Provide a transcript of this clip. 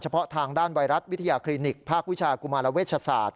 เพาะทางด้านไวรัสวิทยาคลินิกภาควิชากุมารเวชศาสตร์